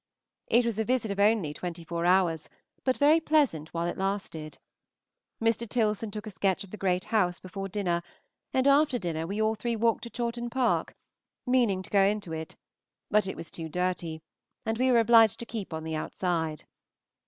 It was a visit of only twenty four hours, but very pleasant while it lasted. Mr. Tilson took a sketch of the Great House before dinner, and after dinner we all three walked to Chawton Park, meaning to go into it, but it was too dirty, and we were obliged to keep on the outside.